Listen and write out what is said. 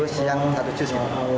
siang satu jus